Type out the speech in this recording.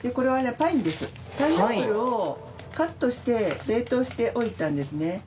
パイナップルをカットして冷凍しておいたんですね。